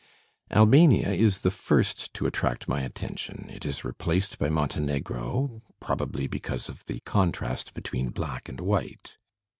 Albania is the first to attract my attention, it is replaced by Montenegro, probably because of the contrast between black and white.